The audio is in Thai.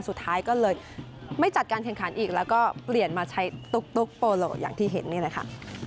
สุดท้ายก็เลยไม่จัดการแข่งขันอีกแล้วก็เปลี่ยนมาใช้ตุ๊กโปโลอย่างที่เห็นนี่แหละค่ะ